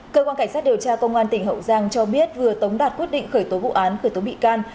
cơ quan cảnh sát điều tra công an tỉnh hậu giang cho biết vừa tống đạt quyết định khởi tố vụ án khởi tố bị can